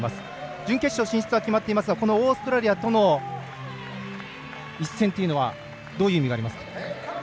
準決勝進出は決まっていますがオーストラリアとの一戦というのはどういう意味がありますか？